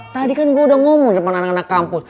tadi kan gue udah ngomong depan anak anak kampus